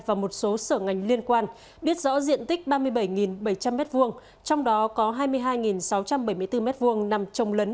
và một số sở ngành liên quan biết rõ diện tích ba mươi bảy bảy trăm linh m hai trong đó có hai mươi hai sáu trăm bảy mươi bốn m hai nằm trồng lấn